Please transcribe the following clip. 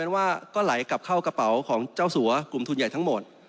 ว่าก็ไหลกลับเข้ากระเป๋าของเจ้าสัวกลุ่มทุนใหญ่ทั้งหมด